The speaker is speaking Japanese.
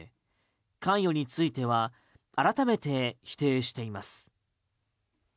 関与については改めて否定しています。